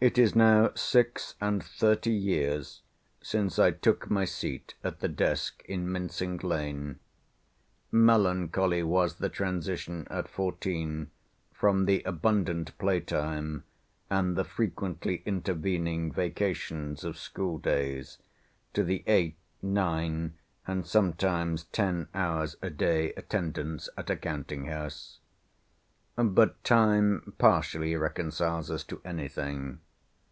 It is now six and thirty years since I took my seat at the desk in Mincing lane. Melancholy was the transition at fourteen from the abundant play time, and the frequently intervening vacations of school days, to the eight, nine, and sometimes ten hours' a day attendance at a counting house. But time partially reconciles us to anything.